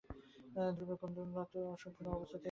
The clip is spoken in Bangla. ধ্রুবের ক্রন্দন অসম্পূর্ণ অবস্থাতেই একেবারে লুপ্ত হইয়া গেল।